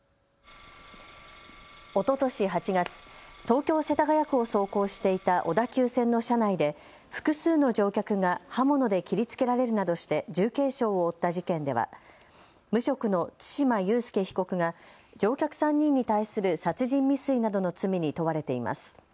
おととし８月、東京世田谷区を走行していた小田急線の車内で複数の乗客が刃物で切りつけられるなどして重軽傷を負った事件では無職の對馬悠介被告が乗客３人に対する殺人未遂などの罪に問われています。